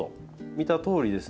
見たとおりですね